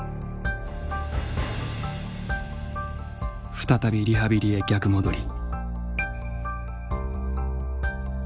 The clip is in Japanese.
再びリハビリへ逆戻り。